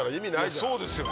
そうですよね。